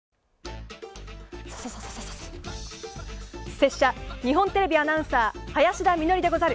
拙者日本テレビアナウンサー林田美学でござる！